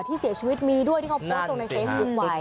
ที่เสียชีวิตมีด้วยที่เขาโพสต์ตรงในเคสวิ้งไหว